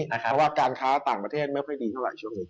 เพราะว่าการค้าต่างประเทศไม่ค่อยดีเท่าไหรช่วงนี้